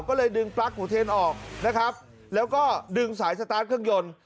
ก็เลยดึงปลั๊กหูเทนออกนะครับแล้วก็ดึงสายสตาร์ทเครื่องยนต์